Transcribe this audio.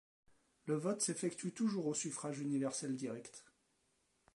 Le vote s'effectue toujours au suffrage universel direct.